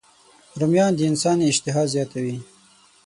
رومیان د انسان اشتها زیاتوي